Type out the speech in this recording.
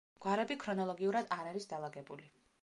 გვარები ქრონოლოგიურად არ არის დალაგებული.